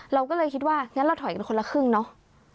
เราก็เลยคิดว่างั้นเราถอยกันคนละครึ่งเนาะ